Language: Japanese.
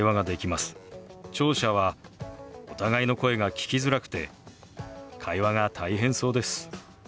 聴者はお互いの声が聞きづらくて会話が大変そうです。